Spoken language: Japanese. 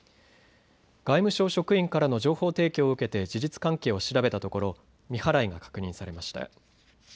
外務省職員からの情報提供を受けて事実関係を調べたところ、未払いが確認されました。